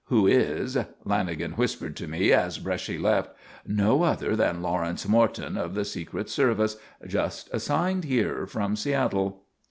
Who is " Lanagan whispered to me as Bresci left, "no other than Lawrence Morton of the secret service, just assigned here from Seattle."